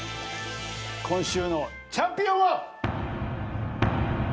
今週のチャンピオンは。